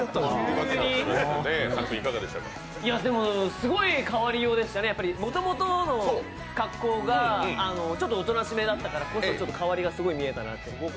すごい変わりようでしたね、もともとの格好がちょっとおとなしめだったからこそ、変わりがすごい見えたなと。